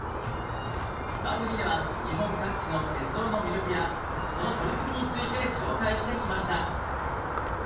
番組では日本各地の鉄道の魅力やその取り組みについて紹介してきました。